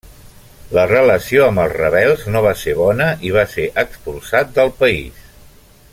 La relació amb els rebels no va ser bona i va ser expulsat del país.